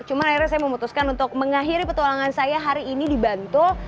cuma akhirnya saya memutuskan untuk mengakhiri petualangan saya hari ini di bantul